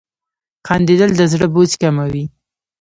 • خندېدل د زړه بوج کموي.